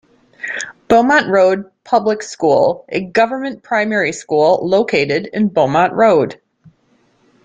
Beaumont Road Public School, a government primary school located in Beaumont Road.